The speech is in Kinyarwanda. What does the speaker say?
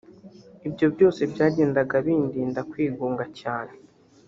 Ibyo byose byagendaga bindinda kwigunga cyane